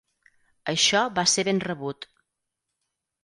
Això va ser ben rebut.